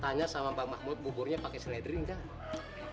tanya sama pak mahmud buburnya pakai seledri enggak